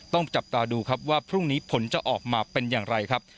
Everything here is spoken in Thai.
ต้องจับตาดูครับว่าพรุ่งนี้ผลจะออกมาเป็นอย่างไรครับ